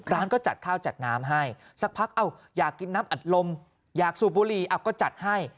ร้านก็จัดข้าวจัดน้ำให้สักพักอยากกินน้ำอัดลมอยากสูบบุหรี่ก็จัดให้